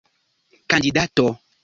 kandidato